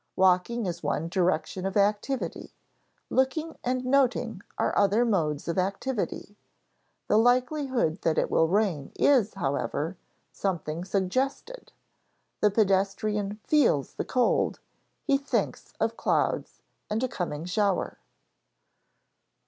Walking is one direction of activity; looking and noting are other modes of activity. The likelihood that it will rain is, however, something suggested. The pedestrian feels the cold; he thinks of clouds and a coming shower.